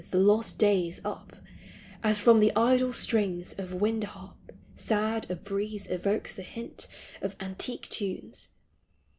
311 The lost days up, as from the iclle*strings Of wind harp sad a breeze evokes the hint Of antique tunes.